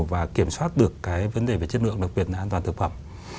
và kiểm soát được cái vấn đề về chất lượng đặc biệt là an toàn thực phẩm